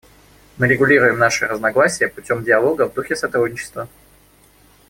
Мы урегулируем наши разногласия путем диалога и в духе сотрудничества.